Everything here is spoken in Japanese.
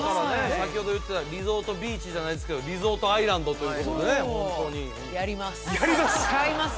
先ほど言ってたリゾートビーチじゃないですけどリゾートアイランドということでねホントにやります